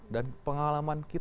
dan pengalaman kita selama berjalan